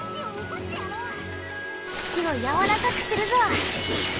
土をやわらかくするぞ。